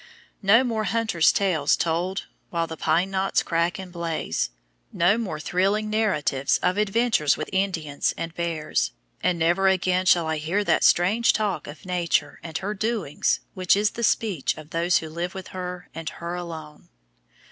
No more hunters' tales told while the pine knots crack and blaze; no more thrilling narratives of adventures with Indians and bears; and never again shall I hear that strange talk of Nature and her doings which is the speech of those who live with her and her alone.